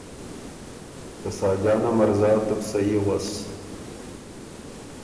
که ”ساجانا مرزا تُو بو صحیح غؤس